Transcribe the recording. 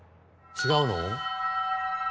違うの？